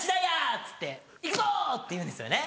っつって「行くぞ！」って言うんですよね。